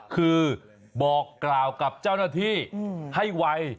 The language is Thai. คือบอกกล่าวกับเจ้าหน้าที่ให้ไว